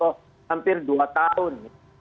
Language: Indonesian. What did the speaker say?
hampir dua tahun